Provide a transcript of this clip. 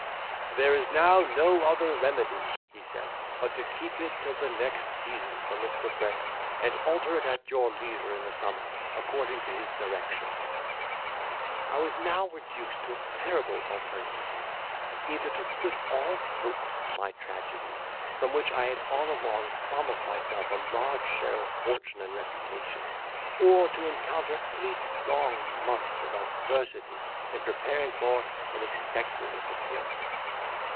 "There is now no other remedy," he said, "but to keep it till the next season for Mr. Brayer, and alter it at your leisure, in the summer, according to his directions." I was now reduced to a terrible alternative, either to quit all hopes of my tragedy, from which I had all along promised myself a large share of fortune and reputation, or to encounter eight long months of adversity in preparing for and expecting its appearance.